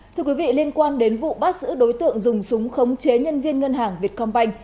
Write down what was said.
thưa quý vị liên quan đến vụ bắt giữ đối tượng dùng súng khống chế nhân viên ngân hàng vietcombank